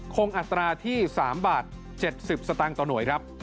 อัตราที่๓บาท๗๐สตางค์ต่อหน่วยครับ